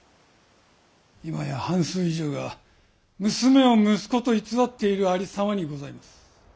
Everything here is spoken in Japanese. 今や半数以上が娘を息子と偽っているありさまにございます。